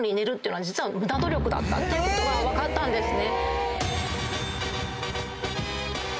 ていうことが分かったんですね。